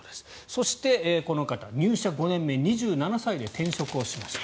そして、この方入社５年目２７歳で転職しました。